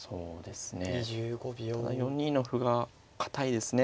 ただ４二の歩が堅いですね